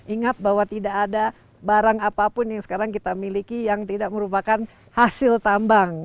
ingat bahwa tidak ada barang apapun yang sekarang kita miliki yang tidak merupakan hasil tambang